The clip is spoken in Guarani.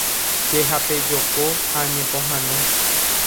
Jehapejoko ha ñepohãno.